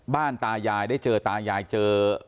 ตายายได้เจอตายายเจอ